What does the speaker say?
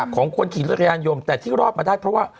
ของคนขี่รถจักรยานยนแต่ที่รอดมาได้เพราะว่า